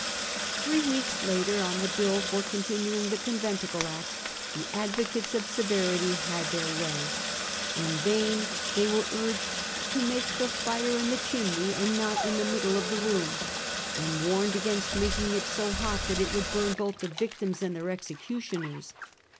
Three weeks later, on the bill for continuing the Con venticle Acts, the advocates of severity had their way. Bill for con * n va * n they wcre ur ged 4 to make the fire in v«arfe Con ' cllimne y an d not in the middle of the Acts, May room,' and warned against making it so hot 1668. that wou | c \ burn both the victims and their executioners.